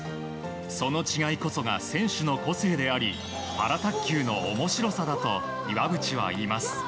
その違いこそが選手の個性でありパラ卓球の面白さだと岩渕は言います。